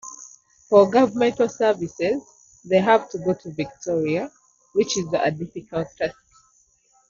For governmental services, they have to go to Victoria, which is a difficult task.